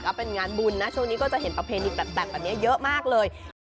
ก็เป็นงานบุญนะช่วงนี้ก็จะเห็นประเพณีแตกแบบนี้เยอะมากเลย